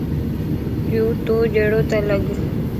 يو تو جھڙو تو لڳ